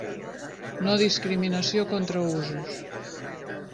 No discriminació contra usos.